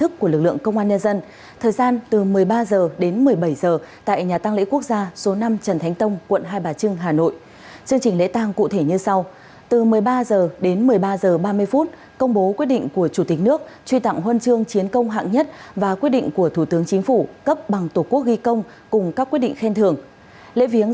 cảm ơn các bạn đã theo dõi